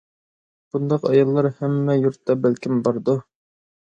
بۇنداق ئاياللار ھەممە يۇرتتا بەلكىم باردۇ.